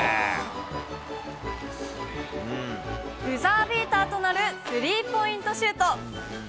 ブザービーターとなるスリーポイントシュート。